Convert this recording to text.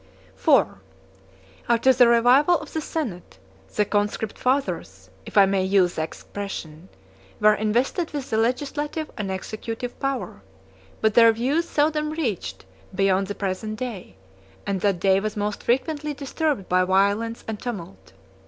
IV. After the revival of the senate, 43 the conscript fathers (if I may use the expression) were invested with the legislative and executive power; but their views seldom reached beyond the present day; and that day was most frequently disturbed by violence and tumult.